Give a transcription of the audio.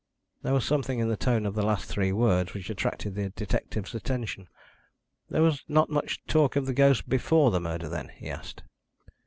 There was something in the tone of the last three words which attracted the detective's attention. "There was not much talk of the ghost before the murder, then?" he asked.